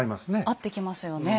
合ってきますよね。